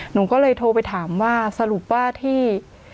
หนูก็เลยโทรไปถามว่าสรุปว่าที่